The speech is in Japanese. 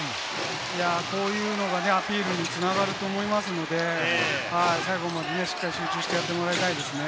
こういうのがアピールに繋がると思いますので、最後までしっかり集中してやってもらいたいですね。